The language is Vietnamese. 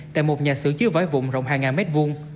tại một nhà xưởng chứa vải vụn rộng hàng ngàn mét vuông